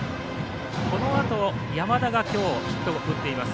このあと山田が今日はヒットを打っています。